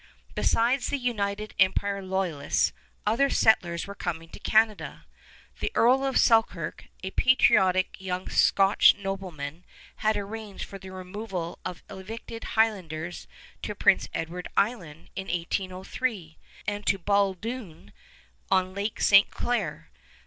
Besides the United Empire Loyalists, other settlers were coming to Canada. The Earl of Selkirk, a patriotic young Scotch nobleman, had arranged for the removal of evicted Highlanders to Prince Edward Island in 1803 and to Baldoon on Lake St. Clair.